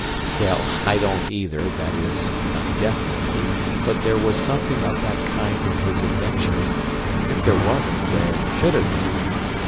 "Well, I don't, either, that is, not definitely. But there was something of that kind in his adventures, and if there wasn't, there should have been.